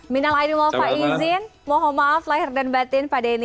minalaini malfaizin mohon maaf lahir dan batin pak denny